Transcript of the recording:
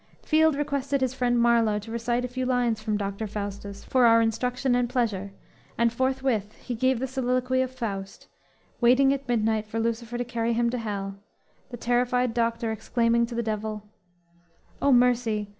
Field requested his friend Marlowe to recite a few lines from "Dr. Faustus" for our instruction and pleasure, and forthwith he gave the soliloquy of Faust, waiting at midnight for Lucifer to carry him to hell, the terrified Doctor exclaiming to the devil: _"Oh mercy!